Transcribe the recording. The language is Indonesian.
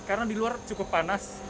karena di luar cukup panas